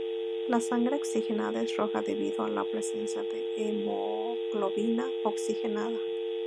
La sangre oxigenada es roja debido a la presencia de hemoglobina oxigenada.